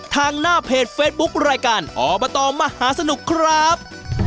ทางหน้าเพจเฟซบุ๊ครายการอบตมหาสนุกครับ